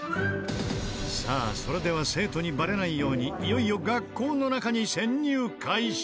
さあそれでは生徒にバレないようにいよいよ学校の中に潜入開始！